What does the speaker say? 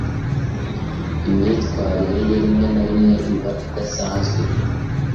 imyitwarire ye rimwe na rimwe iba idasanzwe